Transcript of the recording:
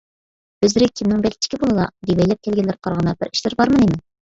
ئۆزلىرى كىمنىڭ بەگچىكى بولىلا؟ دېۋەيلەپ كەلگەنلىرىگە قارىغاندا بىر ئىشلىرى بارمۇ، نېمە؟